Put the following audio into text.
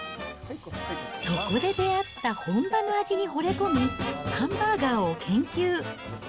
そこで出会った本場の味に惚れ込み、ハンバーガーを研究。